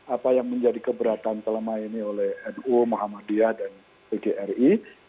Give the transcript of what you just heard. apa yang menjadi keberatan selama ini oleh nu muhammadiyah dan pgri